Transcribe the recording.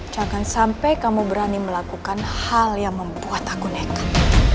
jangan sampai kamu berani melakukan hal yang membuat aku nekat